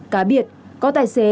cá biệt có tài xế